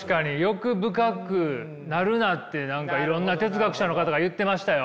欲深くなるなって何かいろんな哲学者の方が言ってましたよ